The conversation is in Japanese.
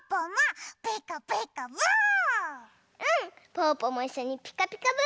ぽぅぽもいっしょに「ピカピカブ！」